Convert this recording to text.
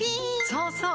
そうそう！